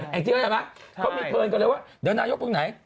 เค้ามีเทิร์นกันเลยว่าเดี๋ยวนายกพรุ่งไหน